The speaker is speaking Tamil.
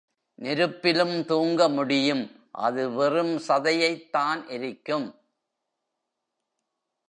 நெருப்பிலும் தூங்க முடியும் அது வெறும் சதையைத் தான் எரிக்கும்.